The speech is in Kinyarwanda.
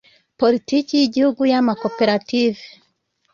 politiki y’igihugu y’amakoperative